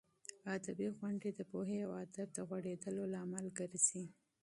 ادبي غونډې د پوهې او ادب د غوړېدو لامل ګرځي.